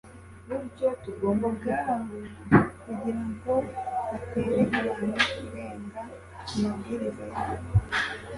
ubwayo kugira ngo batere abantu kurenga ku mabwiriza yayo